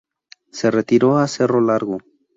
Se retiró a Cerro Largo.